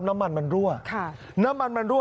น้ำมันมันรั่วน้ำมันมันรั่